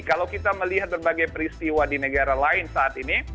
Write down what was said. kalau kita melihat berbagai peristiwa di negara lain saat ini